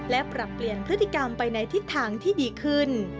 และปรับเปลี่ยนพฤติกรรมไปในทิศทางที่ดีขึ้น